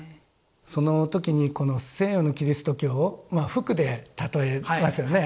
その時に西洋のキリスト教を服で例えますよね